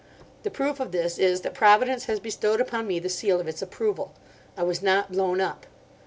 The proof of this is that Providence has bestowed upon me the seal of its approval: I was not blown up.